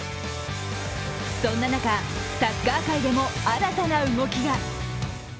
そんな中、サッカー界でも新たな動きが。